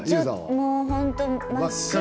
もう本当真っ白で。